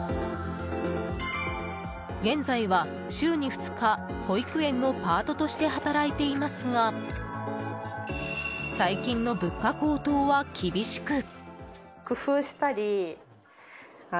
現在は、週に２日保育園のパートとして働いていますが最近の物価高騰は厳しく。